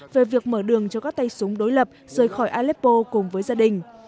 về việc mở đường cho các tay súng đối lập rời khỏi aleppo cùng với gia đình